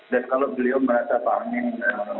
kalau beliau merasa pak amin